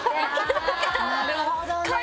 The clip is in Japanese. なるほどね！